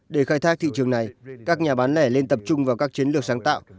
để khai thác thị trường này các nhà bán lẻ nên tập trung vào các chiến lược sáng tạo